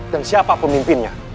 dan siapa pemimpinnya